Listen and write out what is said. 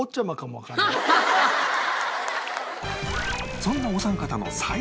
そんなお三方の私の！